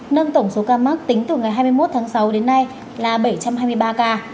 nâng tổng số ca mắc tính từ ngày hai mươi một tháng sáu đến nay là bảy trăm hai mươi ba ca